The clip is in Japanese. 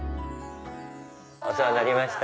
お世話になりました。